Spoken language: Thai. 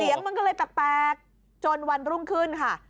เสียงมันก็เลยตัดแปลกจนวันรุ่งขึ้นค่ะ